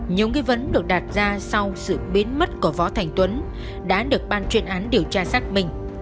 nhiều nghi vấn được đặt ra sau sự biến mất của võ thành tuấn đã được ban chuyên án điều tra xác minh